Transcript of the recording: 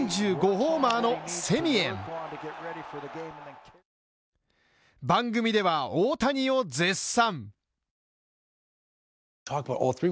ホーマーのセミエン番組では大谷を絶賛。